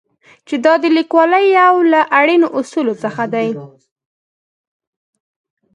چې دا د لیکوالۍ یو له اړینو اصولو څخه دی.